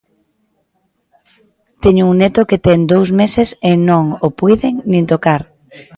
Teño un neto que ten dous meses e non o puiden nin tocar.